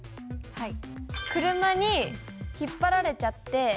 はい。